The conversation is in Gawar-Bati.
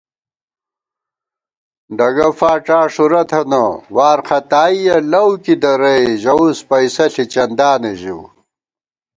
ڈگہ فاڄا ݭُرَہ تھنہ وارختائیَہ لَؤ کی درَئی ژَوُس پَئیسَہ ݪی چندانہ ژِؤ